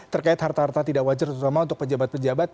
terkait harta harta tidak wajar terutama untuk pejabat pejabat